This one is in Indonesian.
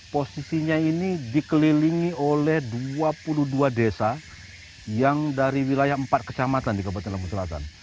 posisinya ini dikelilingi oleh dua puluh dua desa yang dari wilayah empat kecamatan di kabupaten lampung selatan